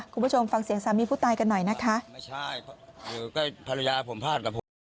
คุณผู้ชมฟังเสียงสามีผู้ตายกันหน่อยนะคะ